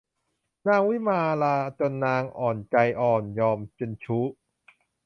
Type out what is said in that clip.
นางวิมาลาจนนางใจอ่อนยอมเป็นชู้